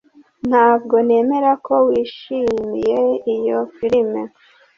Ntabwo nemera ko wishimiye iyo firime